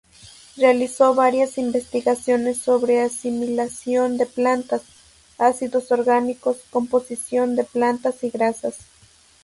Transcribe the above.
Realizó varias investigaciones sobre asimilación de plantas, ácidos orgánicos, composición de plantas y grasas.